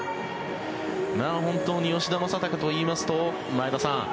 本当に吉田正尚といいますと前田さん